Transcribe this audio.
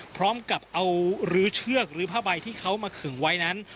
พร้อมกับเอารื้อเชือกหรือผ้าใบที่เขามาขึงไว้นั้น